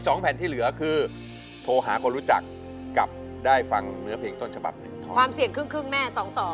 อีก๒แผ่นที่เหลือคือโทรหาคนรู้จักกับได้ฟังเหนือเพลงต้นฉบับ๑ความเสี่ยงครึ่งแม่๒